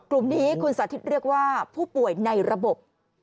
กลุ่มนี้คุณสาธิตเรียกว่าผู้ป่วยในระบบ